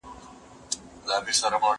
زه به د سوالونو جواب ورکړی وي..